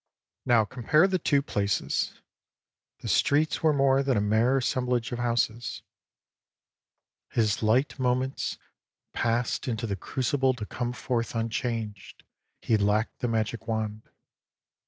Now compare the two places ;" the streets were more than a mere assemblage of houses;" PREFACE ix "his light moments ... passed into the crucible to come forth unchanged. He lacked the magic wand."